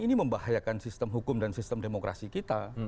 ini membahayakan sistem hukum dan sistem demokrasi kita